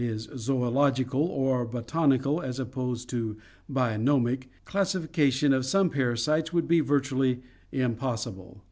e.} zoological or botanical as opposed to bionomic) classification of some parasites would be virtually impossible.